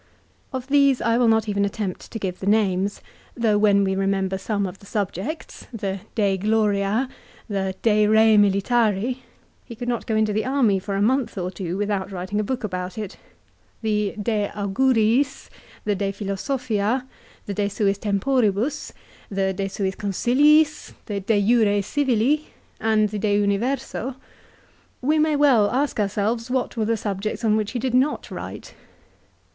Of these I will not even attempt to give the names, though when we remember some of the subjects, the " De Gloria," the " De Re Militari ;" he could not go into the army for a month or two without writing a book about it; the "De Auguriis," the " De Philosophia," the " De Suis Temporibus," CICERO'S RHETORIC. 303 the "De Suis Consiliis," the "De Jure Civili," and the "De Universe," we may well ask ourselves what were the subjects on which he did not write.